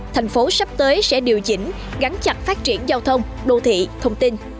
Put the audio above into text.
thành phố sắp tới sẽ điều chỉnh gắn chặt phát triển giao thông đô thị thông tin